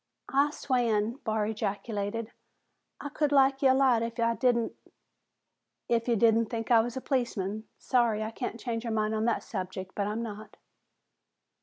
"I swan!" Barr ejaculated. "I could like ye a lot if'n I didn't " "If you didn't think I was a policeman? Sorry I can't change your mind on that subject. But I'm not."